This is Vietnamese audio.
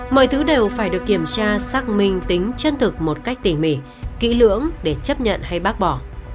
mọi thứ đều phải được kiểm tra xác minh tính chân thực một cách tỉ mỉ kỹ lưỡng để chấp nhận hay bác bỏ